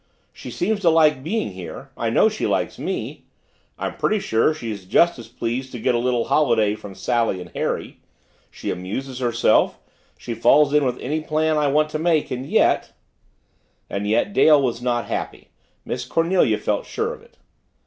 She seems to like being here I know she likes me I'm pretty sure she's just as pleased to get a little holiday from Sally and Harry she amuses herself she falls in with any plan I want to make, and yet " And yet Dale was not happy Miss Cornelia felt sure of it.